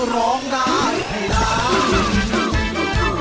ร้องได้ให้ร้าน